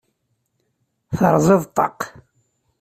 Terẓiḍ ṭṭaq.